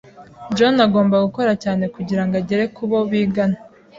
John agomba gukora cyane kugira ngo agere ku bo bigana.